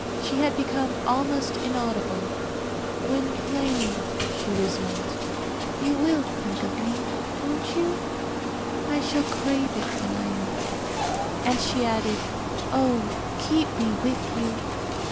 She had become almost inaudible. "Gwynplaine," she resumed, "you will think of me, won't you? I shall crave it when I am dead." And she added, "Oh, keep me with you!"